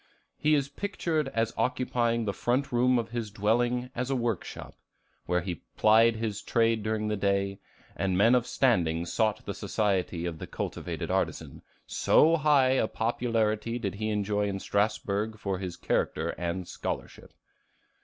He is pictured as occupying the front room of his dwelling as a work shop, where he plied his trade during the day, and men of standing sought the society of the cultivated artisan, "so high a popularity did he enjoy in Strasbourg for his character and scholarship."